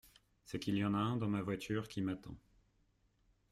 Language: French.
C'est qu'il y en a un dans ma voiture qui m'attend.